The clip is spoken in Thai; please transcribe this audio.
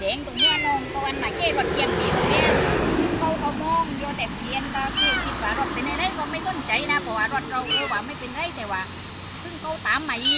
เป็นแรกภายในเมืองแห่งได้